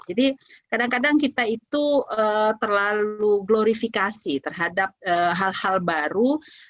jadi kadang kadang kita itu terlalu glorifikasi terhadap hal hal baru